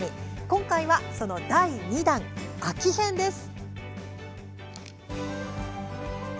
今回はその第２弾、秋編です。